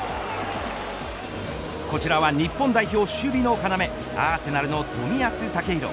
こちらは日本代表守備の要アーセナルの冨安健洋。